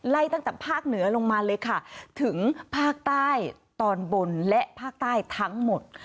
ไล่ตั้งแต่ภาคเหนือลงมาเลยค่ะถึงภาคใต้ตอนบนและภาคใต้ทั้งหมด